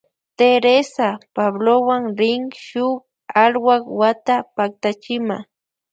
Teresa Pablowan rin shuk alwak wata paktachima.